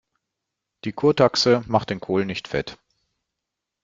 Die Kurtaxe macht den Kohl nicht fett.